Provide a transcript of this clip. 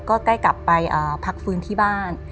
ก็ได้กลับไปพักฟื้นที่บ้าน